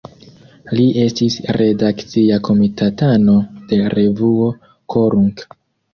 Li estis redakcia komitatano de revuo "Korunk".